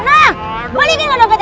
mana balikin ke dompet